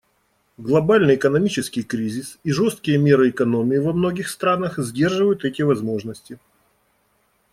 Глобальный экономический кризис и жесткие меры экономии во многих странах сдерживают эти возможности.